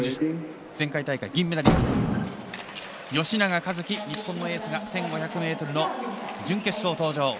吉永一貴、日本のエースが１５００ｍの準決勝登場。